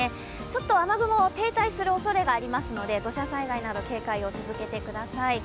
ちょっと雨雲が停滞するおそれがありますので、土砂災害など警戒を続けてください。